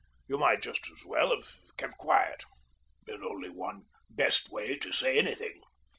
You might just as well have kept quiet. There's only one best way to say anything.